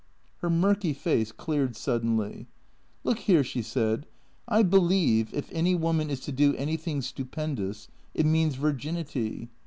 " Her murky face cleared suddenly. " Look here," she said. " I believe, if any woman is to do anytliing stupendous, it means virginity.